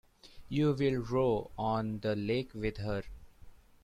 You will row on the lake with her.